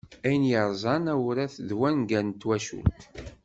Ayen yerzan awrat d wangal n twacult.